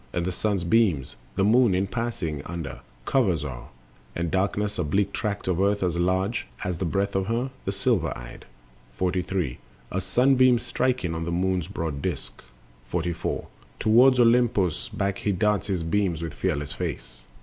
And the sun's beams The moon, in passing under, covers o'er, And darkens a bleak tract of earth as large As is the breadth of her, the silver eyed. 43. As sunbeam striking on the moon's broad disk. 44. Toward Olympos back he darts his beams, With fearless face.